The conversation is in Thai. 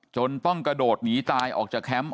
จนต้องกระโดดหนีตายออกจากแคมป์